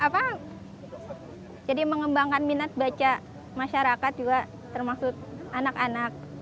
cukup baik ya jadi mengembangkan minat baca masyarakat juga termasuk anak anak